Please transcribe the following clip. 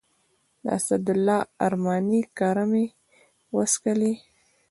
د اسدالله ارماني کره مې وڅښلې.